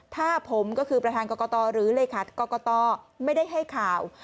ถ้าผมก็คือประธานกรกตหรือเลขากรกตไม่ได้ให้ข่าว